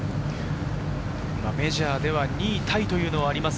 メジャーでは２位タイというのがあります。